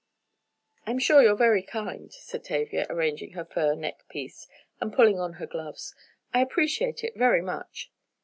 "I'm sure you're very kind," said Tavia, arranging her fur neck piece, and pulling on her gloves, "I appreciate it very much."